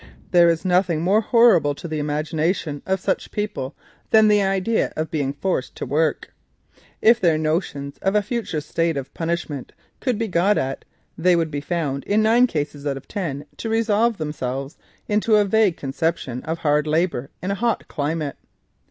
There is nothing more horrible to the imagination of such people than the idea of being forced to work. If their notions of a future state of punishment could be got at, they would be found in nine cases out of ten to resolve themselves into a vague conception of hard labour in a hot climate.